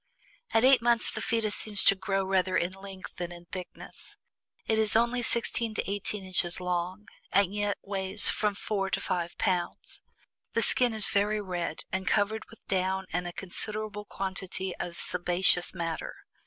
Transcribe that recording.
"At EIGHT MONTHS, the fetus seems to grow rather in length than in thickness; it is only sixteen to eighteen inches long, and yet weighs from four to five pounds. The skin is very red, and covered with down and a considerable quantity of sebaceous matter.